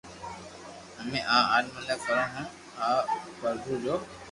اپي آ اردنا ڪرو ھون او پرڀو جو